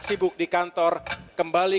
sibuk di kantor kembali